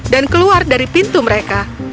dan keluar dari pintu mereka